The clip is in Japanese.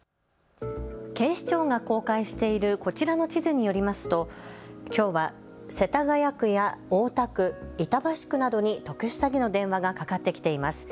警視庁が公開しているこちらの地図によりますときょうは世田谷区や大田区、板橋区などに特殊詐欺の電話がかかってきています。